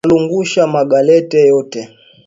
Analungusha ma galette yote